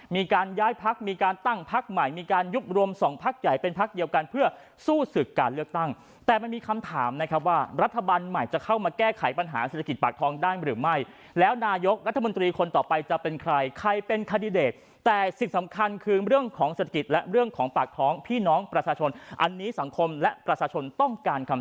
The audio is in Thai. มีการย้ายพักมีการตั้งพักใหม่มีการยุบรวมสองพักใหญ่เป็นพักเดียวกันเพื่อสู้ศึกการเลือกตั้งแต่มันมีคำถามนะครับว่ารัฐบาลใหม่จะเข้ามาแก้ไขปัญหาเศรษฐกิจปากท้องได้หรือไม่แล้วนายกรัฐมนตรีคนต่อไปจะเป็นใครใครเป็นคาดิเดตแต่สิ่งสำคัญคือเรื่องของเศรษฐกิจและเรื่องของปากท้องพี่น้องประชาชนอันนี้สังคมและประชาชนต้องการคำ